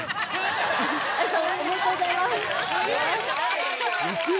おめでとうございます！